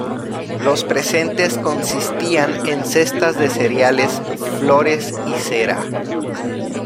Los presentes consistían en cestas de cereales, flores y cera.